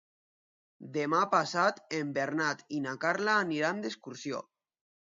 Demà passat en Bernat i na Carla aniran d'excursió.